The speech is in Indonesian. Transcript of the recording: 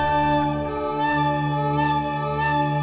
semoga ibu kalian selalu saling mengpercayai